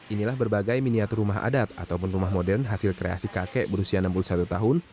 inilah berbagai miniatur rumah adat ataupun rumah modern hasil kreasi kakek berusia enam puluh satu tahun